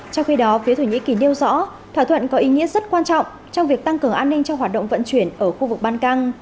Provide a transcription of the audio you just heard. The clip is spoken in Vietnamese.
trong khi đó phía thổ nhĩ kỳ nêu rõ thỏa thuận có ý nghĩa rất quan trọng trong việc tăng cường an ninh cho hoạt động vận chuyển ở khu vực ban căng